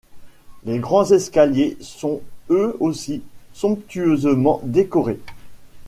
Les Grands escaliers sont, eux aussi, somptueusement décorés.